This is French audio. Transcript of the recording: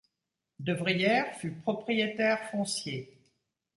De Vrière fut propriétaire foncier.